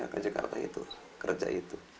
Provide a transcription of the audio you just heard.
ke jakarta itu kerja itu